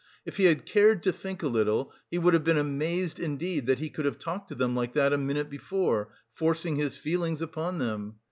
If he had cared to think a little, he would have been amazed indeed that he could have talked to them like that a minute before, forcing his feelings upon them.